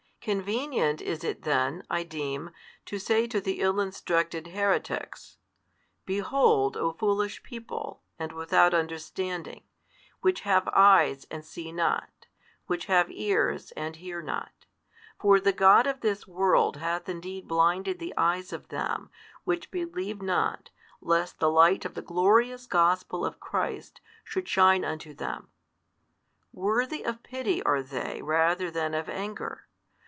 Convenient is it then, I deem, to say to the ill instructed heretics, Behold o foolish people and without understanding, which have eyes, and see not; which have ears and hear not; for the god of this world hath indeed blinded the eyes of them, which believe not, lest the light of the glorious gospel of Christ should shine unto them: worthy of pity are they rather than of anger.